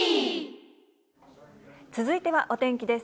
続いては、お天気です。